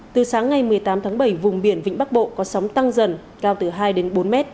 từ sáng ngày một mươi tám tháng bảy vùng biển vĩnh bắc bộ có sóng tăng dần cao từ hai đến bốn m